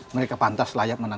mereka pantas layak menang